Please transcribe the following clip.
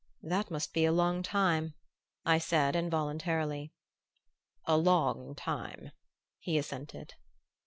"That must be a long time," I said involuntarily. "A long time," he assented.